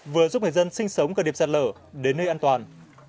vừa giúp người dân sinh sống gần điểm sạt lở đến nơi an toàn